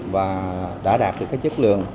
và đã đạt được cái chất lượng